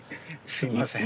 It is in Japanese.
すいません。